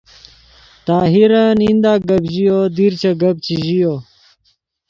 طاہرن ایندہ گپ ژیو دیر چے گپ چے ژیو